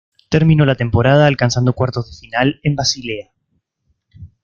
Terminó la temporada alcanzando cuartos de final en Basilea.